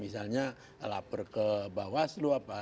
misalnya lapor ke bawah seluap